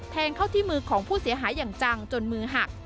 เข้าที่มือของผู้เสียหายอย่างจังจนมือหัก